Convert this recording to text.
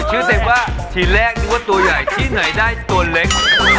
เต็มว่าทีแรกนึกว่าตัวใหญ่ที่ไหนได้ตัวเล็ก